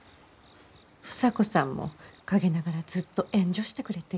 房子さんも陰ながらずっと援助してくれている。